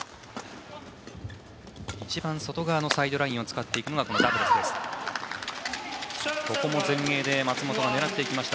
一番外側のサイドラインを使っていくのがダブルスです。